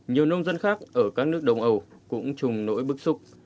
nhiều nông dân khác ở các nước đông âu cũng chùng nỗi bức xúc